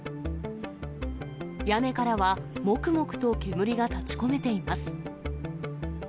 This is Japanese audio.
屋根からはもくもくと煙が立ちこめてます。